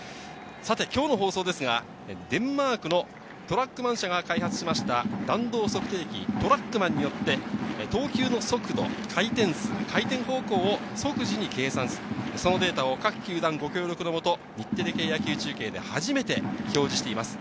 今日の放送ですが、デンマークのトラックマン社が開発しました、弾道測定器トラックマンによって、投球の速度、回転数、回転方向を即時に計算するこのデータを各球団ご協力のもと、日テレ系野球中継で初めて表示しています。